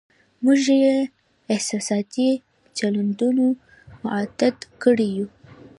موږ یې پر احساساتي چلندونو معتاد کړي یو.